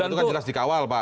itu kan jelas dikawal pak